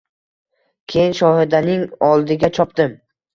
Keyin Shohidaning oldiga chopdim